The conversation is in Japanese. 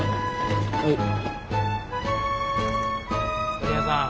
刈谷さん